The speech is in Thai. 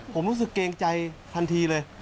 ผมรู้สึกเกรงใจทันทีเลย